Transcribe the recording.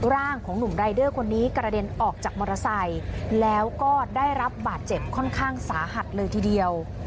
ร่างของหนุ่มรายเดอร์คนนี้กระเด็นออกจากมอเตอร์ไซค์แล้วก็ได้รับบาดเจ็บค่อนข้างสาหัสเลยทีเดียว